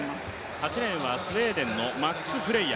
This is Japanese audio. ８レーンはスウェーデンのマックス・フレイヤ。